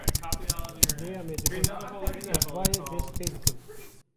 Dêya me digot: Ez va ye dest pê dikim